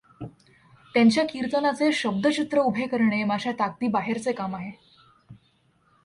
त्यांच्या कीर्तनाचे शब्दचित्र उभे करणे माझ्या ताकदीबाहेरचे काम आहे.